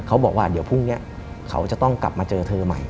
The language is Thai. เขาบอกว่าเดี๋ยวพรุ่งนี้เขาจะต้องกลับมาเจอเธอใหม่